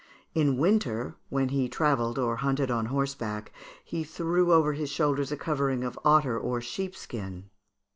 In winter, when he travelled or hunted on horseback, he threw over his shoulders a covering of otter or sheepskin.